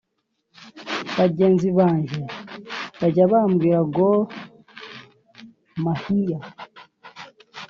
Bagenzi banjye bajya bambwira Gor Mahia